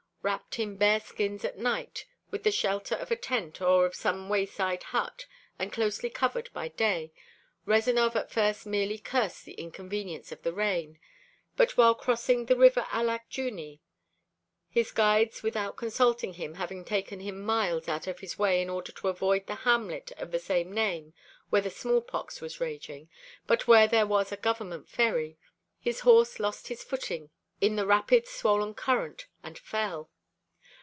Wrapped in bearskins at night within the shelter of a tent or of some wayside hut, and closely covered by day, Rezanov at first merely cursed the inconvenience of the rain; but while crossing the river Allach Juni, his guides without consulting him having taken him miles out of his way in order to avoid the hamlet of the same name where the small pox was raging, but where there was a government ferry, his horse lost his footing in the rapid, swollen current and fell.